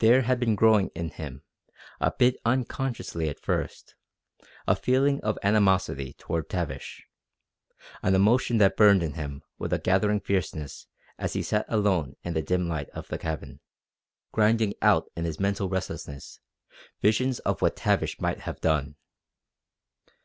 There had been growing in him, a bit unconsciously at first, a feeling of animosity toward Tavish, an emotion that burned in him with a gathering fierceness as he sat alone in the dim light of the cabin, grinding out in his mental restlessness visions of what Tavish might have done.